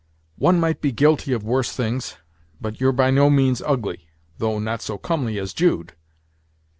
"One might be guilty of worse things but you're by no means ugly; though not so comely as Jude."